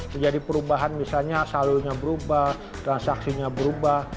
terjadi perubahan misalnya salurnya berubah transaksinya berubah